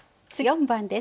２番です。